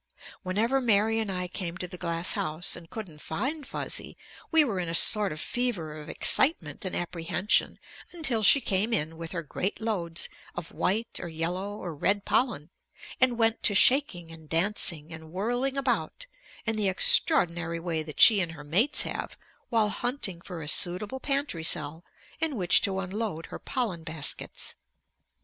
Whenever Mary and I came to the glass house and couldn't find Fuzzy, we were in a sort of fever of excitement and apprehension until she came in with her great loads of white or yellow or red pollen and went to shaking and dancing and whirling about in the extraordinary way that she and her mates have while hunting for a suitable pantry cell in which to unload her pollen baskets.